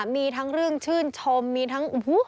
มีทั้งเรื่องชื่นชมมีทั้ง